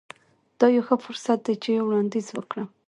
دا یو ښه فرصت دی چې یو وړاندیز وکړم